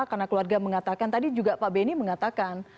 karena keluarga mengatakan tadi juga pak beni mengatakan